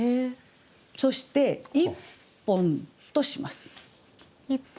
そして「一本」とします。